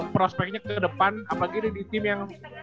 prospeknya kedepan apalagi di tim yang